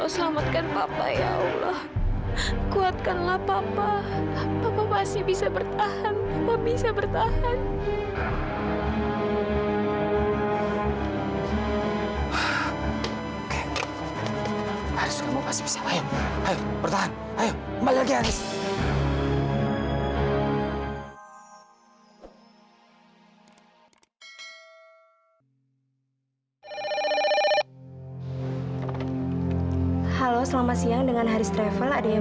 sampai jumpa di video selanjutnya